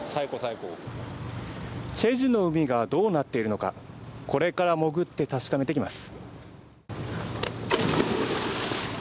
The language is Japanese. チェジュの海がどうなっているのか、これから潜って確かめてきます。